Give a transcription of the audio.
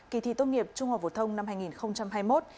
kỳ thi tốt nghiệp trung hòa vũ thông năm hai nghìn một mươi chín